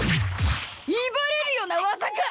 いばれるような技か！